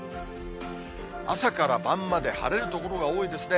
朝から晩まで晴れる所が多いですね。